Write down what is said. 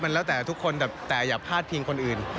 แล้วแต่ทุกคนแต่อย่าพลาดพิงคนอื่น